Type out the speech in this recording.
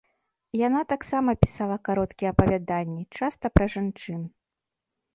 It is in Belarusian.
Яна таксама пісала кароткія апавяданні, часта пра жанчын.